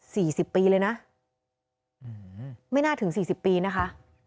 สิบปีเลยนะอืมไม่น่าถึงสี่สิบปีนะคะ